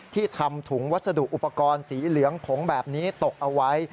ทำถุงวัสดุอุปกรณ์สีเหลืองผงแบบนี้ตกเอาไว้